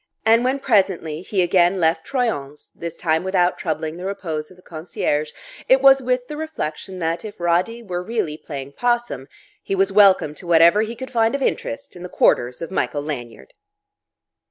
And when presently he again left Troyon's (this time without troubling the repose of the concierge) it was with the reflection that, if Roddy were really playing 'possum, he was welcome to whatever he could find of interest in the quarters of Michael Lanyard.